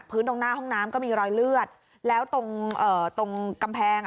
ตรงหน้าห้องน้ำก็มีรอยเลือดแล้วตรงเอ่อตรงกำแพงอ่ะ